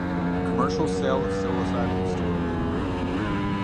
Commercial sale of psilocybin is still illegal.